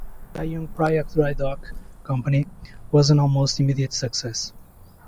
The Tanjung Priok dry dock company was an almost immediate success.